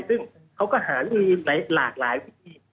ซึ่งเขาก็หาหลายวิธี